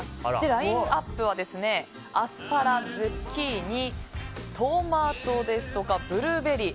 ラインアップはアスパラ、ズッキーニトマトですとかブルーベリー。